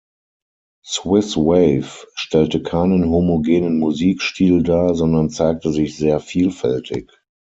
Swiss Wave stellte keinen homogenen Musikstil dar, sondern zeigte sich sehr vielfältig.